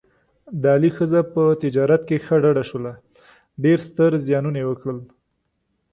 د علي ښځه په تجارت کې ښه ډډه شوله، ډېر ستر زیانونه یې وکړل.